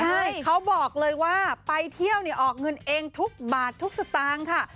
ใช่เขาบอกเลยว่าไปเที่ยวเนี่ยออกเงินเองทุกบาททุกสตางค์ค่ะ